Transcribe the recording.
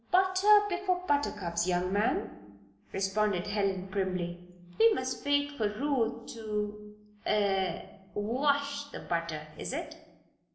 "Butter before buttercups, young man," responded Helen, primly. "We must wait for Ruth to er wash the butter, is it?"